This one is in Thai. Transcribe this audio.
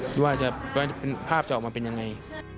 คิดว่าภาพจะออกมาเป็นอย่างไร